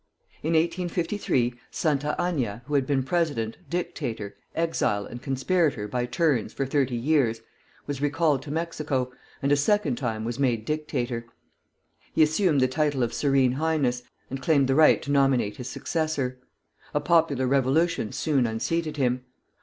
In 1853, Santa Aña, who had been president, dictator, exile, and conspirator by turns for thirty years, was recalled to Mexico, and a second time was made dictator. He assumed the title of Serene Highness, and claimed the right to nominate his successor. A popular revolution soon unseated him.